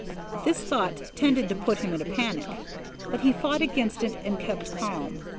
This thought tended to put him in a panic, but he fought against it and kept calm.